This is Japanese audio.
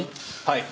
はい。